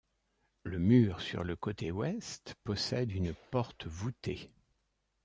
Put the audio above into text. Le mur sur le côté ouest possède une porte voûtée.